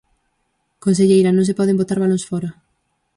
Conselleira, non se poden botar balóns fóra.